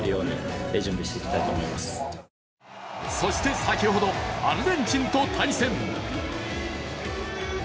そして先ほど、アルゼンチンと対戦。